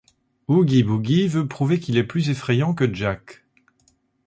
Oogie Boogie veut prouver qu'il est plus effrayant que Jack...